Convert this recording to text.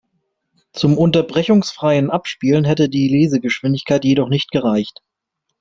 Zum unterbrechungsfreien Abspielen hätte die Lesegeschwindigkeit jedoch nicht gereicht.